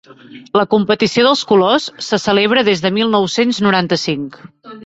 La competició dels Colors se celebra des de mil nou-cents noranta-cinc.